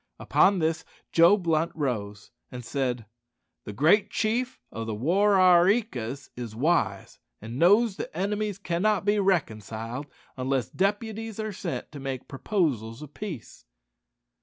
Upon this Joe Blunt rose and said, "The great chief of the War are ree kas is wise, and knows that enemies cannot be reconciled unless deputies are sent to make proposals of peace."